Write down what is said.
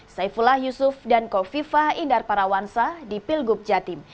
saifullah yusuf dan kofifah indar parawansa di pilgub jatim